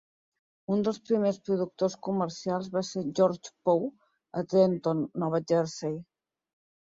Un dels primers productors comercials va ser George Poe a Trenton, Nova Jersey.